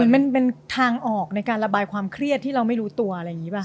มันเป็นทางออกในการระบายความเครียดที่เราไม่รู้ตัวอะไรอย่างนี้ป่ะ